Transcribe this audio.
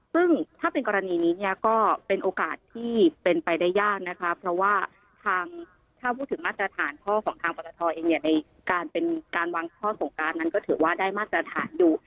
ซึ่งถ้าเป็นกรณีนี้เนี่ยก็เป็นโอกาสที่เป็นไปได้ยากนะคะเพราะว่าทางถ้าพูดถึงมาตรฐานข้อของทางปรตทเองเนี่ยในการเป็นการวางข้อสงการนั้นก็ถือว่าได้มาตรฐานอยู่